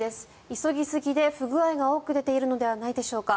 急ぎすぎで不具合が多く出ているのではないでしょうか。